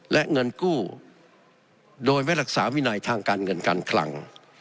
และเงินกู้โดยไม่รักษาวินัยทางการเงินการคลัง